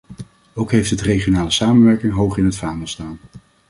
Ook heeft het regionale samenwerking hoog in het vaandel staan.